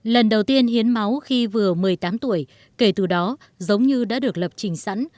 lần đầu tiên hiến máu khi vừa một mươi tám tuổi kể từ đó giống như đã được lập trình sẵn